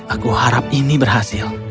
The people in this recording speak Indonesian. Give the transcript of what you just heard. aku harap ini berhasil